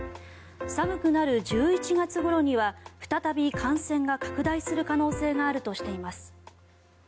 寒くなる１１月ごろには再び感染が拡大する可能性があるとしています。